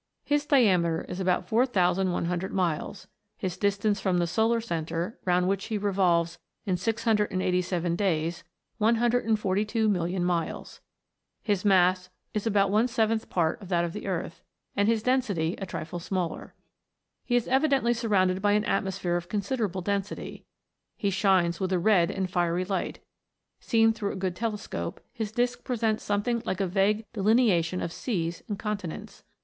His diameter is about 4100 miles, his distance from the solar centre, round which he revolves in 687 days, 142,000,000 miles; his mass is about one seventh part of that of the Earth, and his density a trifle smaller. He is evidently surrounded by an atmosphere of consider able density ; he shines with a red and fiery light ; seen through a good telescope, his disk presents something like a vague delineation of seas and con tinents.